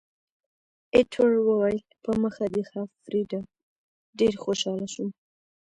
ایټور وویل، په مخه دې ښه فریډه، ډېر خوشاله شوم.